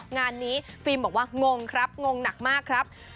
งานนี้ฟิล์มบอกว่างงครับงงหนักมากครับ